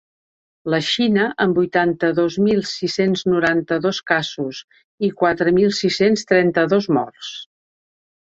La Xina, amb vuitanta-dos mil sis-cents noranta-dos casos i quatre mil sis-cents trenta-dos morts.